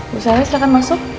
bu sary silahkan masuk